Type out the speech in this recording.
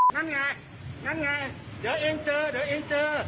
นั่นไงนั่นไงเดี๋ยวเองเจอเดี๋ยวเองเจอ